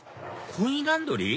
コインランドリー？